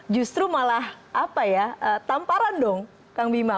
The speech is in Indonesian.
justru malah apa ya tamparan dong kang bima